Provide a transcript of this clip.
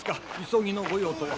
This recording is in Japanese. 急ぎの御用とは。